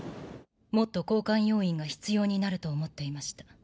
もっと交換要員が必要になると思っていました。